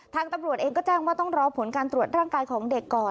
ทางตำรวจเองก็แจ้งว่าต้องรอผลการตรวจร่างกายของเด็กก่อน